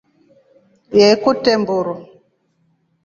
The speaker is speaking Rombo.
Yee kutre mburu.